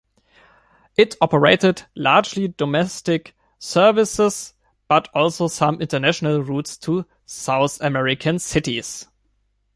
It operated largely domestic services, but also some international routes to South American cities.